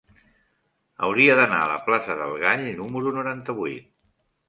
Hauria d'anar a la plaça del Gall número noranta-vuit.